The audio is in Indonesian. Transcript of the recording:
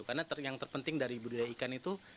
karena yang terpenting dari budidaya ikan itu